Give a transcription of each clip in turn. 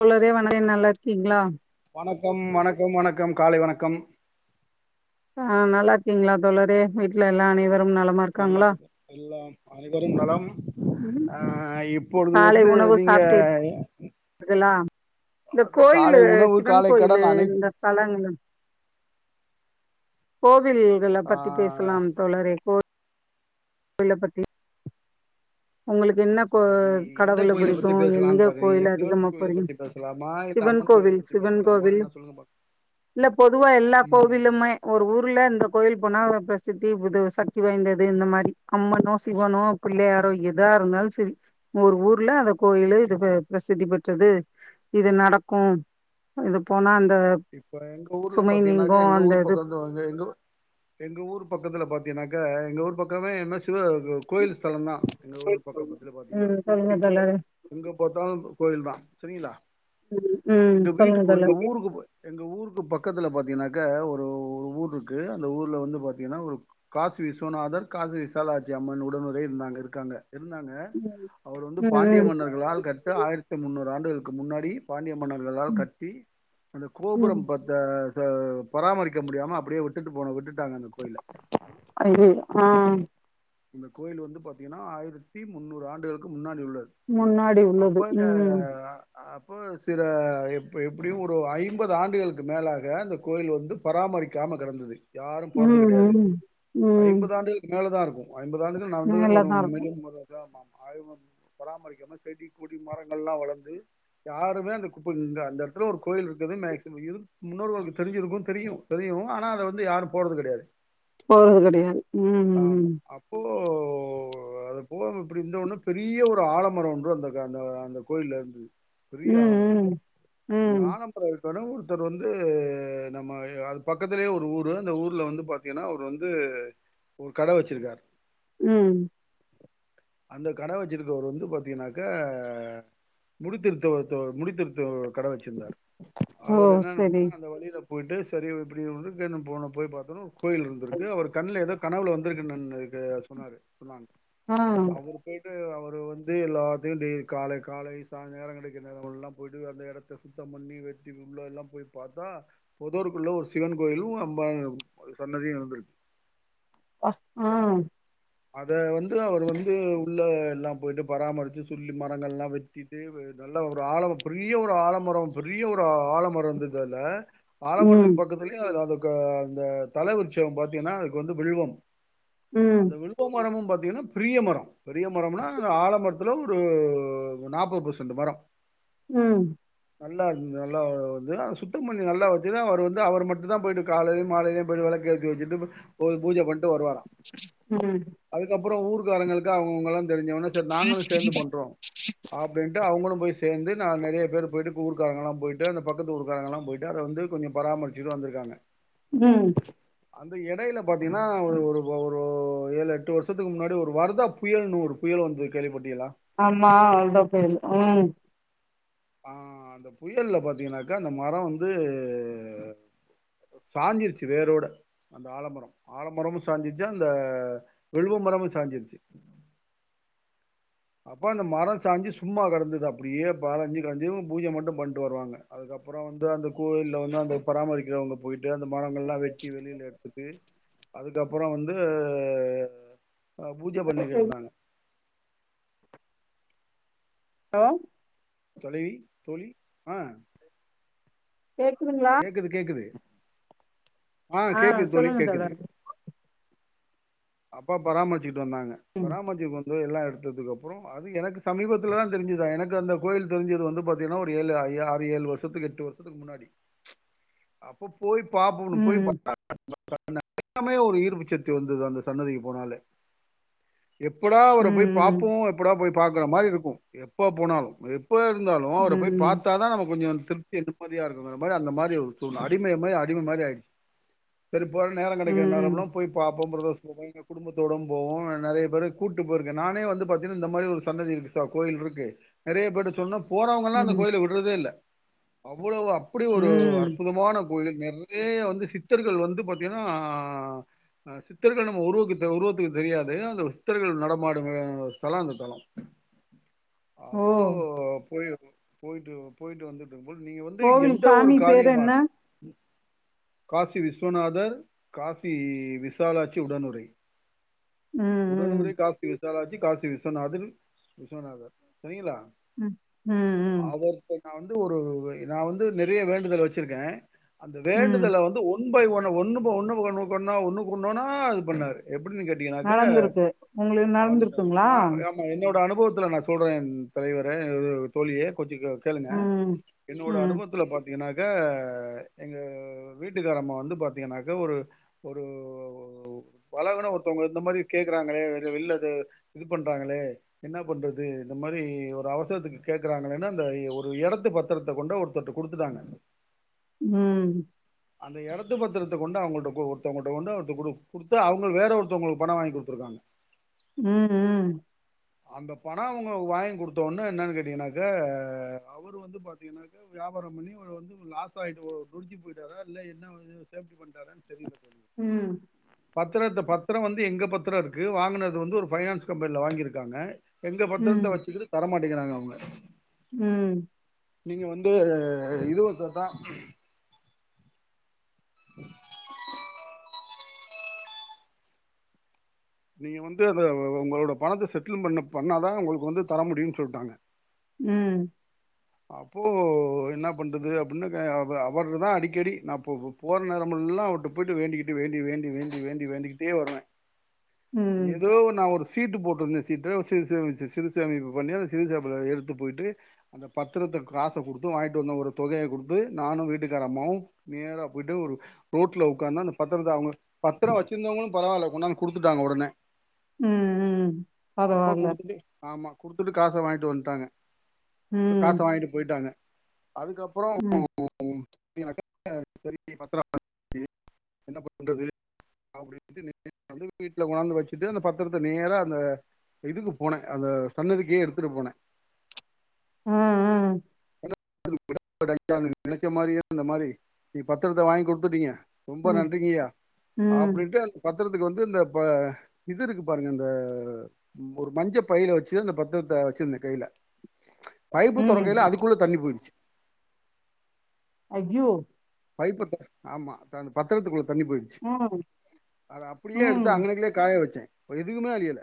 [unintelligible] நல்லார்க்கீங்களா வணக்கம் வணக்கம் வணக்கம் காலை வணக்கம் ஆஹ் நல்லா ருக்கீங்களா தோழரே வீட்டுல எல்லா அனைவரும் நல்லா நலமாருக்காங்ளா இருக்கு எல்லாம் அனைவரும் நலம் ஆஹ் இப் காலை உணவு சாப்டீர் களா இந்த அது காலை கோயிலு உணவு சிவன் காலை கோயிலு கடன் அனை இந்த தலங்கள் போ பில்கள ஆ பத்தி பேசலாம் தோழரே கோ உள்ள பத்தி உங்களுக்கு என்ன கோ சேரி எந்த கடவுள கோயில புடிக்கு பத்தி எங்க பேசலான்னு பாக்குறீங்க கோயில் சிவன் அதிகமா கோயில போறிங்க பத்தி பேசலாமா இல்ல சிவன் அம்மன் கோயில கோவில் பத்தி சிவன் பேசலாமா கோவில் என்ன சொல்லுங்க பாக் இல்ல பொதுவா எல்லா ம் கோவிலுமே ஒரு ஊர்ல இந்த கோயில் போனா ஒர் சித்தி புத சக்தி வாய்ந்தது இந்த மாரி அம்மனோ சிவனோ பிள்ளையாரோ எத் எதா இருந்தாலு செரி ஒரு ஊர்ல அந்த கோயிலு இது பிரசித்தி பெற்றது இது நடக்கு இது போனா இப்ப எங்க ஊர்ல சுமை நீங்கு பாத்தீங்னாக்கா எங்க அந்த ஊர் இது பக்கத்து எங்க எங்க ஊர் பக்கத்துல பாத்தீங்னாக்கா எங்க ஊர் பக்கமே என்ன சிவ கோயில் ஸ்தல தா எங்க ஊர் பக்கத்துல பாத்தீங்கன்னா ம் சொல்லுங்க தூப்பி தோழரே எங்க பாத்தாலு கோயில் தா செரிங்ளா ம் இங்க சொல்லுங்க வீட்டுக்கு தோழர் எங்க ஊருக்கு எங்க ஊருக்கு பக்கத்துல பாத்தீங்கனாக்கா ஒரு ஒரு ஊர்ருக்கு அந்த ஊர்ல வந்து பாத்தீங்கன்னா ஒரு காசி விஸ்வநாதர் காசி விசாலாட்சி அம்மன் உடனுரே இருந்தாங்க இருக்காங்க இருந்தாங்க அவர் வந்து ம் பாண்டிய ம் மன்னர்களால் கட்டு ஆயிரத்தி முன்னூறு ஆண்டு ளுக்கு முன்னாடி பாண்டிய மன்னர்களால் கட்டி ம் கோபுரம் பாத்த ச த பராமரிக்க முடியாம அப்டியே விட்டுட்டு போன விட்டுட்டு ட்டாங்க அந்த கோயில ஆஹ் இந்த கோயில் வந்து பாத்தீங்கன்னா ஆயிரத்தி முன்னூறு ஆண்டுகளுக்கு முன்னாடி உள்ளது முன்னாடி உள்ளது உம் அப்போ சில எப்ப எப்டியு ஒரு ஐம்பது ஆண்டுகளுக்கு மேலாக அந்த கோயில் வந்து பராமரிக்காம கெடந்தது யாரும் போறது ம் கெடையாது ம் ம் ஐம்பது ஆண்டுகளுக்கு மேல தா இருக்கு ஐம்பதாண்டுக்கு நா வந்து ஒரு மேலதா இருக்கு மீடியம் முதாமாத் ஆய் பராமரிக்காம செடி கொடி மரங்கள் எல்லா வளர்ந்து யாருமே அந்த குப்பங் அந்த இடத்துல ஒரு கோயில் இருக்கிறது மேக்சிமம் இது முன்னோர்களுக்கு தெரிஞ்சிருக்கும் தெரியு தெரியு ஆனா அத வந்து யாரு போறது கெடையாது போறது கெடையாது ம் ஆம் ம் அப்போ இப்போ அது போக இப்டி இருந்தொன பெரிய ஒரு ஆலமரம் ஒன்று அந்த அந்த கோயிலல இருந்து உம் உம் அந்த ஆலம்பர இருக் கட ஒருத்தர் வந்து நம்ம அது பக்கத்திலயே ஒரு ஊரு அந்த ஊர்ல வந்து பாத்தீங்கன்னா அவர் வந்து ஒரு கட வச்சிருக்காரு உம் அந்த கட வச்சிருக்கவர் வந்து பாத்தீங்கன்னாக்கா முடித்துவத்து முடித்திருத்து கட வச்சர்ந்தார் ஓ அவர் என்னன் சரி அப்டினா அந்த வழியில போயிட்டு சரி இப்புடி [unintelligible] போன போய் பாத்தணு கோயில் இருந்துருக்கு அவர் கண்ல எதோ கனவுல வந்துருக்கு நன்னுக்கு சொன்னாரு சொன்னாங்க ஆ அவரு போயிட்டு அவரு வந்து எல்லாத்தயு டெய் காலை காலை ச நேர கெடக்கிற நேர எல்லா போயிட்டு அந்த எடத்த சுத்தம் பண்ணி வெட்டி உள்ள எல்லா போய் பாத்தா பொதருக்குள்ள ஒரு சிவன் கோயிலும் அம்பா சன்னதியு இருந்துருக்கு அ ஆ அத வந்து அவர் வந்து உள்ள எல்லாம் போயிட்டு பராமரிச்சு சொல்லி மரங்கள் எல்லாம் வெட்டிட்டு நல்ல ஒரு ஆழ பெரிய ஒரு ஆலமரம் பெரிய ஒரு ஆழமரம் வந்தக்கல்ல ம் ஆழமரத்துக்கு பக்கத்துலயே அதுல கா அந்த தல உற்சவம் பாத்தீங்கன்னா அதுக்கு வந்து வில்வம் உம் அந்த வில்வ மரமும் பா்த்தீங்கன்னா பெரிய மரம் பெரிய மரம்னா ஆலமரத்துல ஒரு நாற்பது பெர்சன்ட் மரம் உம் நல்லா இருது நல்லா வந்து சுத்தம் பண்ணி நல்லா வச்சுட்டு அவர் வந்து அவர் மட்டும்தா போயிட்டு காலையும் மாலையேயும் போயிட்டு விளக்கு எத்தி வச்சுட்டு பூஜை பண்ணிட்டு வருவாராம் உம் அதுக்கப்புறம் ஊர்கக்காரங்களுக்கு அவங்கவுங்கல்லா தெரிஞ்சவன சரி நாங்களும் சேர்ந்து பண்றோம் அப்படின்ட்டு அவங்களும் போய் சேர்ந்து நா நிறைய பேர் போயிட்டு ஊர்காரங்கல்லா போயிட்டு அந்த பக்கத்து ஊர்க்காரங்கல்லா போயிட்டு அத வந்து கொஞ்சம் பரமரிச்சுட்டு வந்திருக்காங்க உம் அந்த இடையில பாத்தீங்கன்னா ஒரு ஒரு ஒரு ஏழு எட்டு வருஷத்துக்கு முன்னாடி ஒரு வரதா புயல் ஒரு புயல் வந்து கேள்விப்பட் அமா வர்தா புயல் உம் ஆ அந்த புயல்ல பாத்தீங்கன்னாக்கா அந்த மரம் வந்து சாஞ்சிருச்சு வேரோட அந்த ஆலமரம் ஆலமரமும் சாஞ்சிருச்சுா அந்த விழுவ மரமும் சாஞ்சிருச்சு அப்ப அந்த மரம் சாஞ்சி சும்மா கிடந்தது அப்படியே பரைஞ்சு கரைஞ்சி பூஜ மட்டும் பண்ணிட்டு வருவாங்க அதுக்கப்புறம் வந்து அந்த கோயில வந்து அந்த பராமரிக்கிறவங்க போயிட்டு அந்த மரங்கள் எல்லா வெட்டி வெளியில்ல எடுத்துட்டு அதுக்கப்புற அப்புறம் வந்து ஆ பூஜ பண்ணிக்கிட்டு இருந்தாங்க ஹலோ தோழி தோழி ஆ கேக்குதுங்களா கேக்குது கேக்குது ஆ கேக்குது தோழி சொல்லுங்க தோழளர் அப்போ பராமரிசி வந்தாங்க ம் பராமரிச்சு இதல்லா எடுத்ததுக் அப்பறோ அது எனக்கு சமீபத்தில தா தெரிஞ்சுதா எனக்கு அந்த கோயில் தெரிஞ்சது வந்து பார்த்தீங்கன்னா ஒரு ஏழு ஆறு ஏழு வருஷத்துக்கு எட்டு வருஷத்துக்கு முன்னாடி அப்போ போய் பாப்னோ போய் ம் பார்த்தா அந்த சமயம் ஒரு ஈர்பு சக்தி வந்தது அந்தஸ் சன்னதிக்கு போனாலே எப்படா அவர போய் ம் பாப்போ எப்படா போய் பாக்குற மாரி இருக்கும் எப்ப போனாலும் எப் ப இருந்தாலு அவர போய் ம் பாத்தா தா நம்ம கொஞ்சோ திருப்தி நிம்மதியா இருக்குங்கிற மாரி அந்த மாரி ஒருசூழ்நிலை அடிமைய மாரி அடிம மாரி ஆயிடுச்சு செரிப்பா நேரம் கிடைக்கிறே நேரோல ம் போய் பாப் ஆமாம் பிரதர்ஸ் அங்க போனா குடும்பத்தோடவு போவோ நெறைய பேர கூட்டு போயிருக்கே நானே வந்து பாத்தீன்னா இந்த மாரி ஒரு சந்ததி இருக்கு கோயில் இருக்கு நெறைய பேர்ட சொன்னோ போறவுங்கல்லா அந்த ம் கோயில விடுறதே இல்ல அவ்ளோவா அப் அப்டி ஒரு ம் அற்புதமான கோயிலில் நெறைய வந்து சித்தர்கள் வந்து பாத்தீங்கனா ஆ சித் சித்தர்கள் நம்ம உருவகிட்ட உருவத்துக்கு தெரியாது அந்த சித்தர்கள் நடமாடும் ஸ்தலம் அந்த தலம் ஓ அப்போ போயி போயிட்டு போயிட்டு வந்து அது உங்களுக்கு நீங்க வந்து கோவில் எந்த ஒரு சாமி பேரு காரியமா என்ன காசி விஸ்வநாதர் காசி விஸ் விசாலாட்சி உடனுறை ம் ம் உடனுரை காசி வி விசாலாட்ச்சி காசி விஸ்வநாதன் விஸ்வநாதர் செரிங்களா உம் உம் உம் நா வந்து ஒரு நா வந்து நெறைய வேண்டுதல் வச்சிருக்கே அந்த ம் வேண்டுதல வந்து ஒன் பை ஒன்னு ஒன்னு பா ஒன்னுக்கொன்னா ஒன்னு ஒண்ணொண்னா அது பண்ணாரு எப் எப்படின்னு கேட்டீங்கனாக்க நடந்திருக்கு உங்களுக்கு மறந்துட்டேன் அது நடந்திருக்குங்களா நா ஆமா என்னோட அனு ப்பத்தில நான் சொல்றே தலைவரே தோழியே கொஞ்சோகேளுங்க ம் என்னோட ம் அனுபவத்துல பாத்தீங்கன்னா எங்க எங்க வீட்டுக்காரமா வந்து பார்த்தீங்கன்னாக்க ஒரு ஒரு பழகுன ஒருத்தவங்க இந்த மாரி கேக்குறாங்களே வெளியிலது இது பண்றாங்களே என்ன பண்றது இந்த மாதிரி ஒரு அவசரத்துக்கு கேக்குறாங்களேன்னு அந்த ஒரு இடத்து பத்திரத்தை கொண்டு ஒருத்தர்ட்ட குடுத்துட்டாங்க ம் அந்த இடத்து பத்திரத்த கொண்டு அவங்கள்ட ஒருத்தவங்கிட்ட கொண்டு கொடு கொடுத்து அவங்க வேற ஒருத்தவங்களுக்கு பணம் வாங்கி கொடுத்துருக்காங்க ம் ம் அந்த பணம் அவங்க வாங்கி கொடுத்தோடனே என்னன்னு கேட்டீங்கனாக்கா அவரு வந்து பாத்தீங்கன்னாக்க வியாபாரம் பண்ணி வந்து லாஸ் ஆயி நொடிஞ்சுபோயிட்டாரா இல்ல என்னே பண்ணி சேஃப்டி தெரியுமா சொரியும் ம் [unintelligible] பத்திரத்த பத்திரம் வந்து எங்க பத்திரம் இருக்கு வாங்குனது வந்து ஒரு பைனான்ஸ் கம்பெனில வாங்கிருக்காங்க எங்க பத்திரத்தை ம், வச்சுகிட்டு தர மாட்டே கேக்குறாங்க அவங்க ம் நீங்க வந்து இது வந்தாதா நீங்க வந்து அத உங்களோட பணத்த செட்டில்மெண்ட் பண்ணாதா உங்களுக்கு வந்து தர முடியும்னு சொல்ட்டாங்க ம் அப்போ என்ன பண்றது அப்படின்னு அவர்தா அடிக்கடி நா போற நேரல்மெல்லா அவர்ட்ட போயிட்டு வேண்டிக்கிட்டு வேண்டி வேண்டி வேண்டி வேண்டி வேண்டிக்கிட்டே வர்வே ம், ஏதோ நா ஒரு சீட்டு போட்ருந்தே சீட்டு சிறுச சிறுசேமிப்பு பண்ணி அந்த சிறுசேப்ப எடுத்து போயிட்டு அந்த பத்திரத்துக்கு காச கொடுத்து வாங்கிட்டு வந்த ஒரு தொகையை கொடுத்து நானும் வீட்டுக்கார அம்மாவும் நேர போயிட்டு ஒரு ரோட்ல உக்காந்து அந்த பத்திரத்த அவங்க பத்திரம் வச்சிருந்தவங்களும் பரவாயில்ல கொண்டாந் கொடுத்துட்டாங்க உடனே ம், ம். அப்போ பரவால்ல. குடுத்துட்டு ஆமா குடுத்துட்டு காச வாங்கிட்டு வந்துட்டாங்க ம், காச வாங்கிட்டு போயிட்டாங்க அதுக்கப்ரோ ம், சரிய பத்திரம் என்ன பண்றது அப்படின்னுட்டு வந்து வீட்டுல வந்து வச்சுட்டு அந்த பத்திரத்த நேரா அந்த இதுக்கு போனே அந்த சன்னிதுக்கே எடுத்துட்டு போன்ன ம் ம் [unintelligible] நினைச்ச மாரியே இந்த மாரி நீ பத்தரத்த வாங்கி கொடுத்துட்டீங்க ரொம்ப ம், நன்றிங்கயா ம், அப்படின்ட்டு அந்த பத் திரத்துக்கு வந்து இந்த இது இருக்கு பாருங்க இந்த ஒரு மஞ்ச பையில வச்சு அந்த பத்திரத்த வச்சிருந்த கையில பைப்பு ம். தொறக்கையில அதுக்குள்ள தண்ணி போயிட்டு அய்யோ பைப்ப துறந்த ஆமா த பத்திரத் உள்ள தண்ணி போயிடுச்சு ம், அத அப்படியே எடுத்து ம். அங்கினக்குள்ளே காய வச்ச எதுவுமே அழியல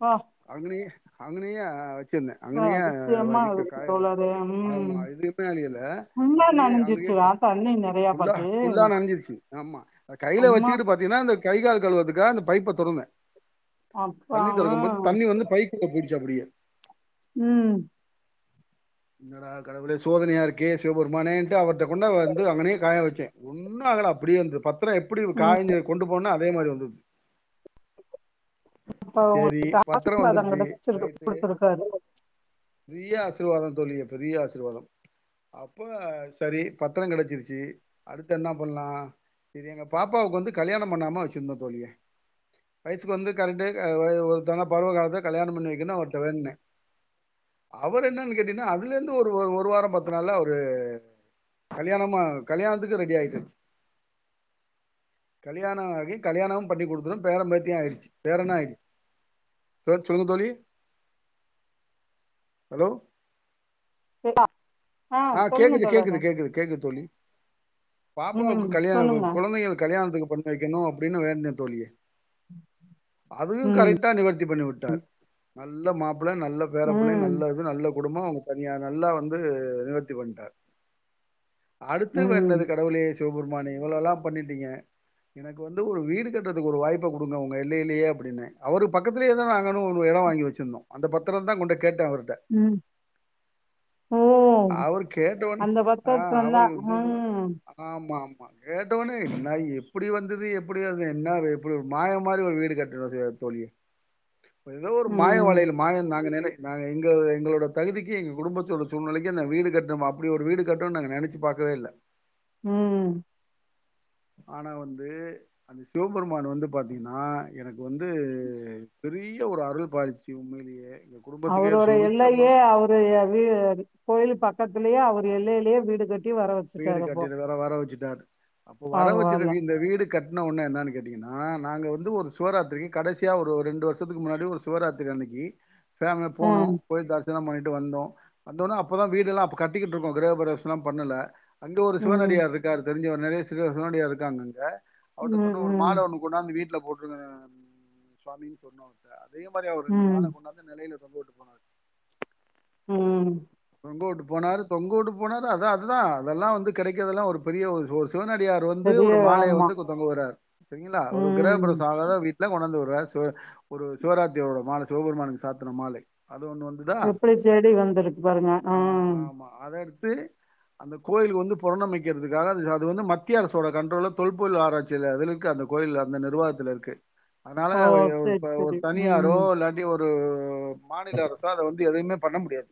அப்பா! அங்கநேயே அங்கனய வச்சிருந்த அப்பா! அங்கனயே அதிசயமா வ இருக்கு காய வ தோழரே! ம். ஆமா எதுமே அழியல ஃபுல்லா அப்படியே அங்கயே நனஞ்சிருச்சா தண்ணி நெறையா ஃபுல்லா பட்டு? ஃபுல்லா நனஞ்சிருச்சு ஆமா அது கையில அம்மா! வச்சுக்கிட்டு பாத்தீங்கன்னா இந்த கை கால் கழுவதுக்காக அந்த பைப்ப தொறந்த அப்பா! தண்ணி ஆ. துறக்கும் போது தண்ணி வந்து பைக்குள்ள போயிடுச்சு அப்படியே உம் என்னடா கடவுளே சோதனையா இருக்கே சிவபெருமானேட்டு அவர்ட்ட கொண்டு வந்து அங்கனே காய வச்சே ஒன்னும் ஆகல அப்படியே வந்து பத் திரம் எப்படி ம். காய் கொண்டு போனானோ அதே அதே மாரி வந்தது அப்ப உங்களுக்கு சேரி பத்திரம் பதம் வந்துருச்சு கிடைச்சிருக்கு ரைட்டு குடுத்துருக்காரு. பெரிய ஆசீர்வாதம் தோழிய பெரிய ஆசிர்வாதோ அப்போ சரி பத்தரோ கெடைச்சிருச்சு அடுத்து என்ன பண்லா இது எங்க பாப்பாவுக்கு வந்து கல்யாணம் பண்ணாம வச்சிருந்தோ தோழி வயசுக்கு வந்து கரெக்ட்டு அ ஒருத்தன பருவக்காலத்துல கல்யாணம் பண்ணி வைக்கணு அவர்ட வேண்னே அவரு என்னானு கேட்டிங் னா அதுலருந்து ஒரு ஒரு வாரோ பத்து நாள்ல அவரு கல்யாணமா கல்யாணத்துக்கு ரெடி ஆயிடுச்சு கல்யாணோ ஆகி கல்யாணோ பண்ணி கொடுத்து பேரன் பேத்தியு ஆயிடுச்சு பேரன்னு ஆயிடுச்சு லோ சொல்லுங்க தோழி அலோ இந்தா ஆ கேக்குது கேக்குது கேக்குது கேக்குது தோழி ம், பாப்பாவுக்கு கல்யா சொல்லுங்க. [unintelligible] கொழந்தைங்களுக்கு கல்யாணத்துக்கு பண்ணி வைக்கணு அப்டின்னு வேண்ட்னே தோழி அதயு ம், கரெக்டா நிவர்த்தி பண்ணி உட்டார் ம நல்ல மாப் புள்ள நல்ல பேர புள்ளைங்க ம், நல்ல இது நல்ல குடும்போ அவுங்க தனியா நல்லா வந்து நிவர்த்தி பண்டார் அடுத்து ம், வேண்னது கடவுளே சிவபெருமானே இவளோல்லா பண்ணிட்டீங்க எனக்கு வந்து ஒரு வீடு கட்டறதுக்கு ஒரு வாய்ப்பு குடுங்க உங்க எல்லையிலே அப்பிடின்னே அவரு பக்கத்திலே தா நாங்களு ஒரு எடோ வாங்கி வெச்சிருந்தோ அந்த பத்துரோ தா கொண்டே கேட்ட அவருட்ட ம். ஓ அவரு கேட்டவொன்னே அந்த அ பத்தரத்துல அவரு தான் வந்து ம் ஆமா ஆம் மா கேட்டவொன்னே என்ன எப்புடி வந்தது எப்புடி அது என்ன எப்புட் ஒரு மாய மாரி ஒரு வீடு கட்டுனோ செ தோழி ஏதோ ஒரு மாய ம் வலையில மாயோ நாங்க நெனை நாங்க எங்க எங்களோட தகுதிக்கி எங்க குடும்பத்தோட சூழ்நலைக் கி அந்த வீடு கட்டணம்மா அப்புடி ஒரு வீடு கட்றோன் நாங்க நெனைச்சு பாக்கவே இல்ல ம் ஆனா வந்து அந்த சிவபெருமான் வந்து பாத்தீங்கன்னா எனக்கு வந்து பெரிய ஒரு அருள் பாதிச்சி உண்மையிலேயே எங்க குடும்பத்துக்கே அவரோட சுபிச்சமான எல்லையிலேயே அவரு வீடு கோயிலு பக்கத் துலேயே அவரு எல்லையிலேயே வீடு கட் வீடு கட்டின [unintelligible] வர வெச்சுட்டாரு அப்போ வர பரவால்ல வச்சிருது இந்த வீடு கட்னவொன்ன என்னானு கேட்டீங்கன்னா நாங்க வந்து ஒரு சிவராத்திரிக்கி கடைசியா ஒரு ரெண்டு வருசத்துக்கு முன்னாடி ஒரு சிவராத்திரி அன்னைக்கி ஃபே அங்க போனோ ம் போய்ட்டு த ர்சனோ பண்ணிட்டு வந்தோ வந்தோன அப்ப தா வீடல்லா அப்ப கட்டிட்டுருக்கோ கிரகபிரவேசலா பண்ணல அங்க ஒரு ம் சிவனடியார் இருக்காரு தெரிஞ்சவர் நறைய சிவ சிவனடியார் இருக்காங்க அங்க அவர்ட்ட ம் சொன்னோ ஒரு ம் மால ஒண்ணு கொண்டாந்து வீட் ல போட்ருங்கங்க சுவாமின்னு சொன்னோ [unintelligible] அதே மாரி அவரு ரெண்டு மால ம் கொண்டாந்து நெலையில போட்டு போனாரு ம் தொங்க உட்டு போனாரு தொங்க உட்டு போனாரு அதா அதுதா அதெல்லா வந்து கெடைக்கதெல்லா ஒரு பெரிய ஒரு சோர்ஸ் சிவனடியார் வந்து பெரிய ஒரு மாலைய ஆமா வந்து கொ தொங்க உட்றாரு செரிங்ளா ஒரு ம் கிரகப்பிரவேச ஆகாத வீட்ல கொண்டந்து வ சிவ ஒரு சிவராத்திரியோட மால சிவபெருமானுக்கு சாத்தன மாலை அது ஒன்று வந்துதா எப்பிடி தேடி வந்துருக்கு பாருங்க அம் த்து அந்த கோயிலுக் வந்து புரணமைக்கிறதுக்காக அதுசு அது வந்து மத்திய அரசோட கண்ட்ரோல்ல தொல்பொருள் ஆராய்ச்சில அதுல இருக்க அந்த கோயில்ல அந்த நிர்வாகத்துல இருக்கு அதனால ஓ வ ய ஒ சரி ப சரி ஒர் தனியாரோ ம் இல்லாட்டி ஒ ரு மாநில அரச அத வந்து எதையுமே பண்ண முடியாது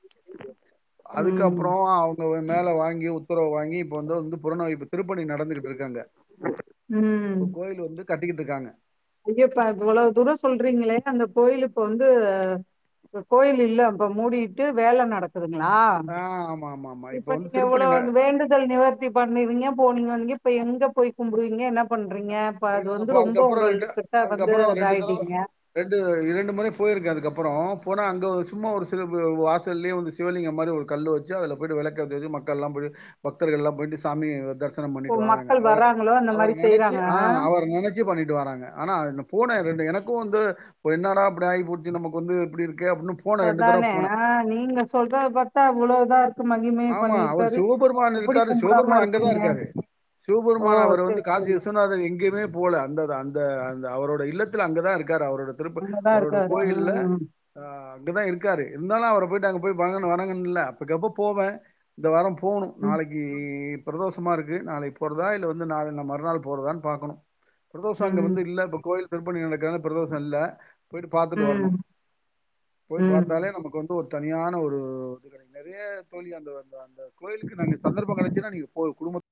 ம் அதுக்கப்புறோ அவுங்க வ மேல வாங் யு ப்புறோ வாங்கி இப்ப வந்து ந்து புரணமைப்பு திருப்பணி நடந்துகிட்ருக்கு அங்க ம் இப்போ கோயில் வந்து கட்டிக்கிட்ருக்காங்க ஐயப்பா இவ்ள தூரோ சொல்றீங்களே அந்த கோயிலு இப்ப வந்து கோயில் இல்ல இப்ப மூடிட்டு வேல நட குதுங்ளா ஆ ஆமா ஆமா ஆமா இப்ப வந்து நீங்க திருப்பணி இவ்ளோ ந வேண்டுதல் நிவர்த்தி பண்ணிறீங்க போனீங்கனிங்க இப்ப எங்க போய் கும்புடுவீங்க என்ன பண்றீங்க இப்ப அது இல்ல வந்து அப்ப ரொம்போ அதுக்கப்புறோ உங்கள் ரெண்டு வந்து அதுக்கப்புறோ ரெண்டு தரோ இதாயிட்டீங்க ரெண்டு இரண்டு முறை போயிருக்கே அதுக்கப்பறோ ம போனா அங்க ஒ சும்மா ஒரு சிலப் வாசல்லியே வந்து சிவலிங்க மாரி ஒரு கல்லு வெச்சு அதுல போய்ட்டு வெளக்கேத்தி வெச்சு மக்கள்லா போயி பக்தர்கள்லாம் போயிட்டு சாமி தரி ஓ மக்கள் வர்றாங்களு அந்த மாரி செய்றா அ அவர நெனைச்சு பண்ணிட்டு வாராங்க ஆனா நொ போனே ரெண்டு எனக்கு வந்து என்னடா அப்டி ஆயிபோச்சு நமக்கு வந்து இப்டி இரு அதானே ஆ நீங்க சொல்றத பாத்தா இவ்ளோ இதா மகிமை ஆமா அவுரு பண்ணிருக்காரு சிவபெருமான் எப்டி இருக்காரு சிவ கும்பிடாம பெர்மான் அங்கதா இருப்பீங்க இருக்காரு ஓ சிவபருமான் அவர் வந்து செரி காசி செரி விஸ்வநாதர் எங்கிமே போல அந்த தா அந்த அ த அவரோட இல்லத்துல அங்கதா இரு க்காரு அவுரோட திருப்பு அங்கதா அவுரோட இருக்காரு கோயில்ல ம் ஆ அங்கதா இருக்காரு இந்தாலு அவர போயிட்டு அங்க போய் பணன வணங்குன்ல்ல அப்புக்கப்போப் போவே இந்த வாரம் ப் போவுணு ம் நாளைக்கிப் பிரதோஷமா இருக்கு நாளைக் போறதா இல்ல வந்து நாளை நா மறுநாள் போறதான் பாக்கணு பிரதோஷோ அங்க ம் வந்து இல்ல இப்ப கோய்ல் திருப்பணி நடக்கான பிரதோஷோ இல்ல போய்ட்டு பாத்துட்டு வர்ணு ம் போய் ம் பாத்தாலே நமக்கு வந்து ஒரு தனியான ஒரு [unintelligible] நெறைய தோழி அந்த வந்த அந்த கோயிலுக்கு நாங்க சந்தர்பொ கெடச்சுனா நீங்க போ குடும்பத்